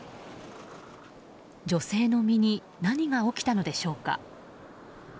女性の身に何が起きたのでしょうか。